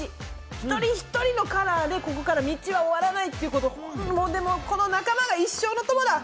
一人一人のカラーで、ここから道は終わらないということ、この仲間が一生の友だ！